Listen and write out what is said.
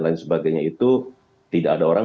lain sebagainya itu tidak ada orang